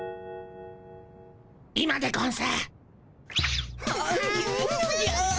今でゴンス！